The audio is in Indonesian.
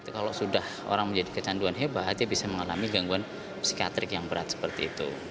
kalau sudah orang menjadi kecanduan hebat dia bisa mengalami gangguan psikiatrik yang berat seperti itu